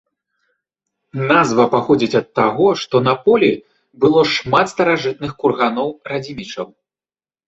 Назва паходзіць ад таго, што на полі было шмат старажытных курганоў радзімічаў.